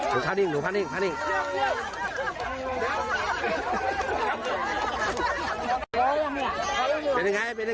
เล่นถนนเองเลย